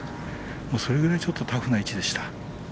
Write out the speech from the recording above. それぐらい、タフな位置でした。